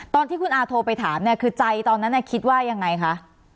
ตอนที่คุณอาโทรไปถามเนี่ยคือใจตอนนั้นคิดว่ายังไงคะ